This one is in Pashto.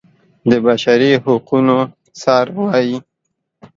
د بشري حقونو څار وايي.